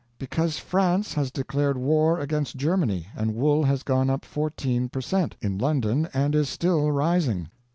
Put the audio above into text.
"Because France has declared war against Germany, and wool has gone up fourteen per cent. in London and is still rising."